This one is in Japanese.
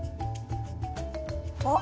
あ。